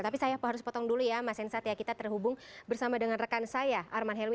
tapi saya harus potong dulu ya mas hensat ya kita terhubung bersama dengan rekan saya arman helmi